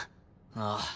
ああ。